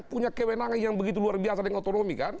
punya kewenangan yang begitu luar biasa dengan otonomi kan